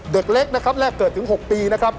เด็กเล็กนะครับแรกเกิดถึง๖ปีนะครับ